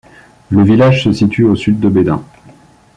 Le village se situe au sud de Bedum.